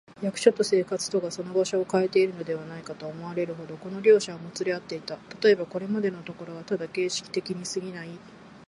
役所と生活とがその場所をかえているのではないか、と思われるほど、この両者はもつれ合っていた。たとえば、これまでのところはただ形式的にすぎない、